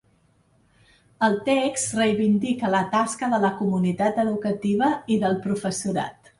El text reivindica la tasca de la comunitat educativa i del professorat.